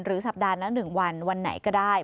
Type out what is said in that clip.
หรือสัปดาห์นั้น๑วันวันไหนก็ได้